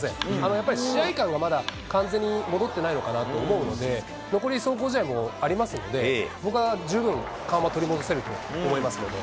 やっぱり試合勘はまだ完全に戻ってないのかなと思うので、残り壮行試合もありますので、僕は十分、感は取り戻せると思いますけれども。